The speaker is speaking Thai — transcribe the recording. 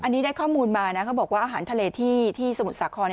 อันนี้ได้ข้อมูลมานะเขาบอกว่าอาหารทะเลที่สมุทรสาคร